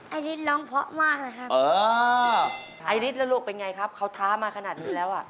อายลิทลูกเป็นอย่างไรครับเขาถามาขนาดนี้แล้ว